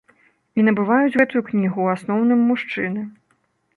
І набываюць гэтую кнігу ў асноўным мужчыны.